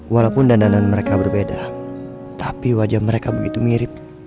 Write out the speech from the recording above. walaupun dandanan mereka berbeda tapi wajah mereka begitu mirip